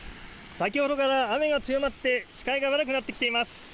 先ほどから雨が強まって視界が悪くなってきています。